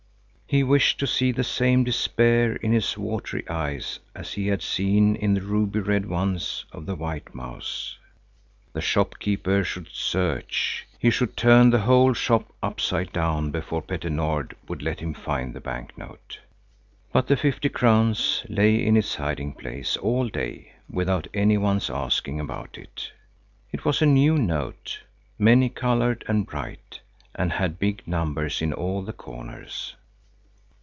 He wished to see the same despair in his watery eyes as he had seen in the ruby red ones of the white mouse. The shopkeeper should search, he should turn the whole shop upside down before Petter Nord would let him find the bank note. But the fifty crowns lay in its hiding place all day without any one's asking about it. It was a new note, many colored and bright, and had big numbers in all the corners.